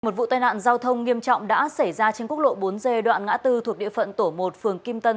một vụ tai nạn giao thông nghiêm trọng đã xảy ra trên quốc lộ bốn g đoạn ngã tư thuộc địa phận tổ một phường kim tân